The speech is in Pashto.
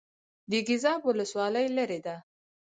د ګیزاب ولسوالۍ لیرې ده